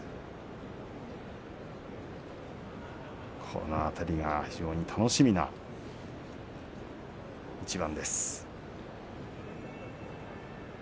この辺りが非常に楽しみな一番です。